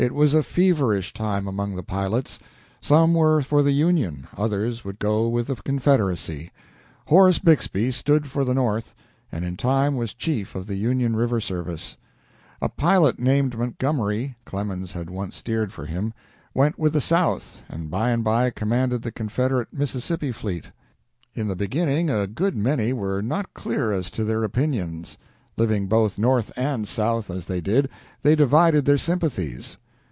It was a feverish time among the pilots. Some were for the Union others would go with the Confederacy. Horace Bixby stood for the North, and in time was chief of the Union river service. A pilot named Montgomery (Clemens had once steered for him) went with the South and by and by commanded the Confederate Mississippi fleet. In the beginning a good many were not clear as to their opinions. Living both North and South, as they did, they divided their sympathies.